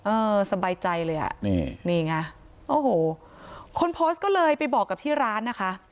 เออสบายใจเลยอ่ะนี่นี่ไงโอ้โหคนโพสต์ก็เลยไปบอกกับที่ร้านนะคะ